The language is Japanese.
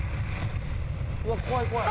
うわ怖い怖い。